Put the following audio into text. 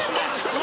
何？